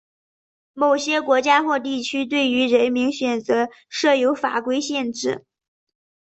某些国家或地区对于人名选择设有法规限制。